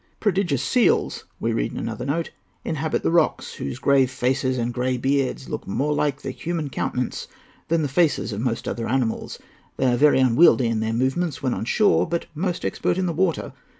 "Prodigious seals," we read in another note, "inhabit the rocks, whose grave faces and grey beards look more like the human countenance than the faces of most other animals. They are very unwieldy in their movements when on shore, but most expert in the water.